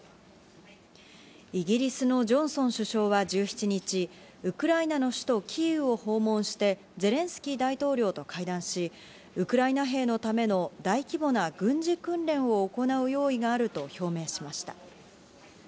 イギリスのジョンソン首相は１７日、ウクライナの首都キーウを訪問して、ゼレンスキー大統領と会談し、ウクライナ兵のための大規模な軍事訓練を行う用意があると表明しました。